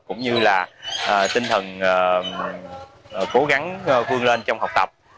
cũng như là tinh thần cố gắng vươn lên trong học tập